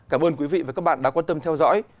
cảm ơn quý vị và các bạn đã quan tâm theo dõi